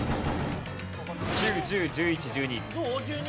９１０１１１２。